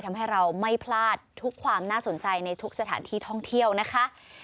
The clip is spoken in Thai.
ทำให้เราไม่พลาดทุกความน่าสนใจในทุกสถานที่ท่องเที่ยวนะคะ